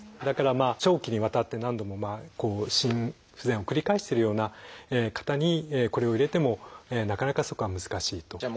だから長期にわたって何度も心不全を繰り返してるような方にこれを入れてもなかなかそこは難しいと。